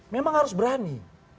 memang harus berani